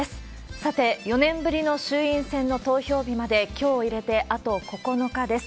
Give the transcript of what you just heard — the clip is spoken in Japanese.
さて、４年ぶりの衆院選の投票日まで、きょうを入れてあと９日です。